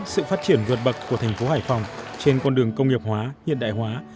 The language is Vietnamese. sự phát triển vượt bậc của thành phố hải phòng trên con đường công nghiệp hóa hiện đại hóa